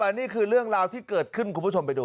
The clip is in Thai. นี่คือเรื่องราวที่เกิดขึ้นคุณผู้ชมไปดู